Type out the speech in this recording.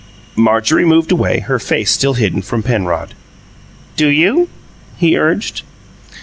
Marjorie moved away, her face still hidden from Penrod. "Do you?" he urged.